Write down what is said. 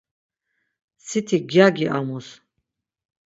Siti gyagi amus.